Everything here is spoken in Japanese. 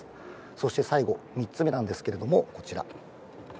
そして最後、３つ目なんですけれども、こちら。